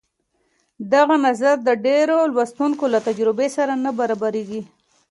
دغه نظر د ډېرو لوستونکو له تجربې سره نه برابرېږي.